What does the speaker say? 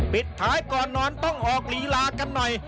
ปิดท้ายก่อนนอนต้องออกลีลากันหน่อย